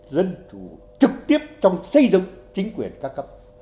dân chủ trực tiếp trong xây dựng chính quyền ca cấp